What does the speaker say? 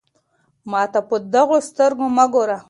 ما ته په دغو سترګو مه ګوره.